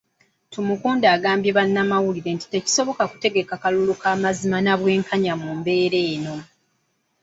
Tumukunde agambye bannamawulire nti tekisoboka kutegaka kalulu ka mazima na bwenkanya mu mbeera eno.